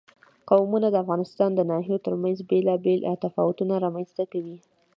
قومونه د افغانستان د ناحیو ترمنځ بېلابېل تفاوتونه رامنځ ته کوي.